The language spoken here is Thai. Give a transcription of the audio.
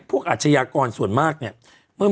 อาชญากรส่วนมากเนี่ย